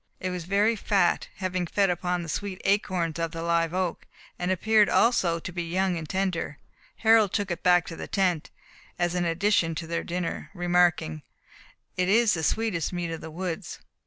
It was very fat, having fed upon the sweet acorns of the live oak, and appeared also to be young and tender. Harold took it back to the tent, as an addition to their dinner, remarking, "It is the sweetest meat of the woods."